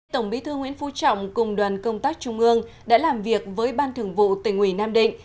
tổng bí thư nguyễn phú trọng cùng đoàn công tác trung ương đã làm việc với ban thường vụ tỉnh ủy nam định